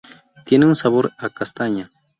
Tiene un sabor a castaña.